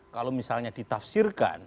kalau misalnya ditafsirkan